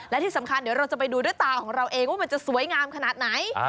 และที่สำคัญเดี๋ยวเราจะไปดูด้วยตาของเราเองว่ามันจะสวยงามขนาดไหน